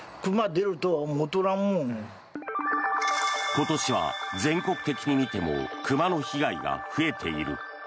今年は全国的に見ても熊の被害が増えている。